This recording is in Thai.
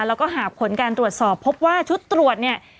แล้วก็หากผลการตรวจสอบพบว่าชุดตรวจเนี่ย